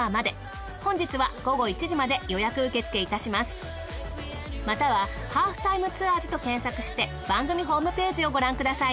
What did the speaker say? お問い合わせはまたは『ハーフタイムツアーズ』と検索して番組ホームページをご覧ください。